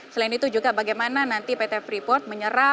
selain itu juga bagaimana nanti pt freeport